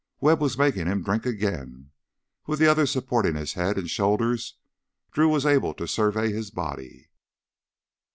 Webb was making him drink again. With the other supporting his head and shoulders, Drew was able to survey his body.